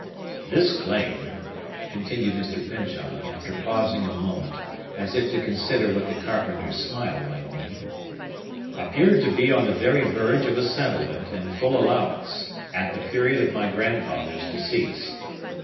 "This claim," continued Mr. Pyncheon, after pausing a moment, as if to consider what the carpenter's smile might mean, "appeared to be on the very verge of a settlement and full allowance, at the period of my grandfather's decease.